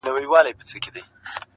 • راسه دعا وكړو.